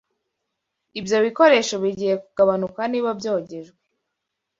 Ibyo bikoresho bigiye kugabanuka niba byogejwe.